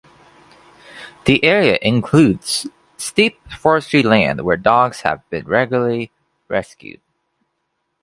The area includes steep forestry land where dogs have been regularly rescued.